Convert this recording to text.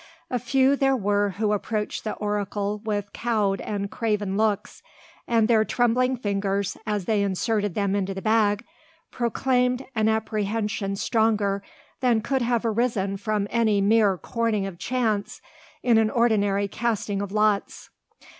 A few there were who approached the oracle with cowed and craven looks; and their trembling fingers, as they inserted them into the bag, proclaimed an apprehension stronger than could have arisen from any mere courting of chance in an ordinary casting of lots.